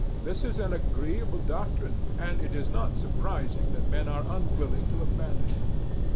This is an agreeable doctrine, and it is not surprising that men are un willing to abandon it.